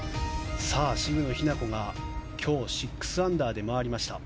渋野日向子が今日６アンダーで回りました。